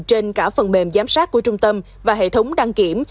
trên cả phần mềm giám sát của trung tâm và hệ thống đăng kiểm